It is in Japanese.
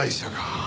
ああ。